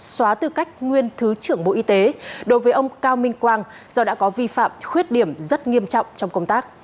xóa tư cách nguyên thứ trưởng bộ y tế đối với ông cao minh quang do đã có vi phạm khuyết điểm rất nghiêm trọng trong công tác